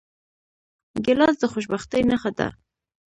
ګیلاس د خوشبختۍ نښه ده.